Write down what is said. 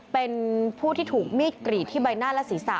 เป็นผู้ที่ถูกมีดกรีดที่ใบหน้าและศีรษะ